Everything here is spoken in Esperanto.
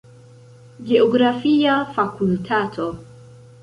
Geografia fakultato.